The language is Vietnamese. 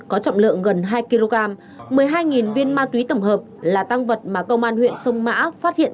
có trọng lượng gần hai kg một mươi hai viên ma túy tổng hợp là tăng vật mà công an huyện sông mã phát hiện